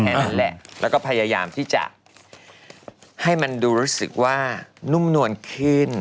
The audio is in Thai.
นั่นแหละแล้วก็พยายามที่จะให้มันดูรู้สึกว่านุ่มนวลขึ้น